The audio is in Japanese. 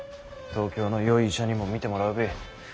東京のよい医者にも診てもらうべぇ。